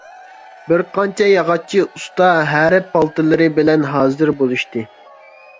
بىر قانچە ياغاچچى ئۇستا ھەرە، پالتىلىرى بىلەن ھازىر بولۇشتى.